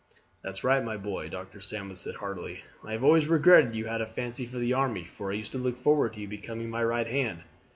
"That's right, my boy," Dr. Sandwith said heartily. "I have always regretted you had a fancy for the army, for I used to look forward to your becoming my right hand.